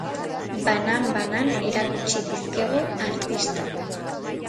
Banan-banan erakutsi dizkigu artistak.